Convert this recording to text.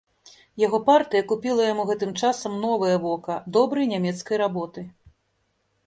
Яго партыя купіла яму гэтым часам новае вока, добрай нямецкай работы.